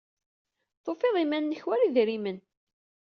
Tufiḍ-d iman-nnek war idrimen.